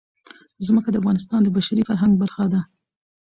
ځمکه د افغانستان د بشري فرهنګ برخه ده.